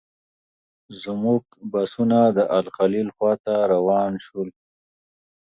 زموږ بسونه د الخلیل خواته روان شول.